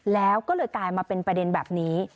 แล้วก็เลยกลายมาเป็นประเด็นแบบนี้